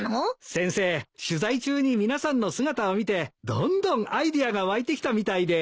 先生取材中に皆さんの姿を見てどんどんアイデアが湧いてきたみたいで。